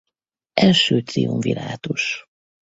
Első triumvirátus